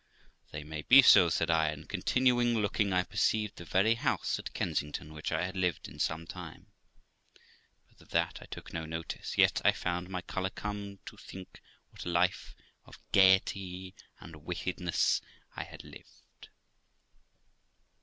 'They may be so', said I; and, continuing looking, I perceived the very house at Kensington which I had lived in some time; but of that I took no notice, yet I found my colour come, to think what THE LIFE OF ROXANA 393 a life of gaiety and wickedness I had lived.